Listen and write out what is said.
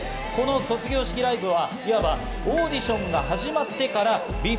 この卒業式ライブはいわばオーディションが始まってからＢＥ：ＦＩＲＳＴ